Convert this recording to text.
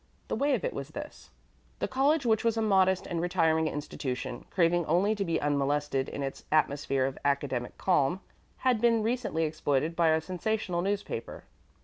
The way of it was this: The college, which was a modest and retiring institution craving only to be unmolested in its atmosphere of academic calm, had been recently exploited by a sensational newspaper.